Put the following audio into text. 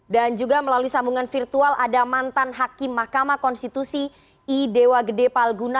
dan juga melalui sambungan virtual ada mantan hakim mahkamah konstitusi i dewa gede pal guna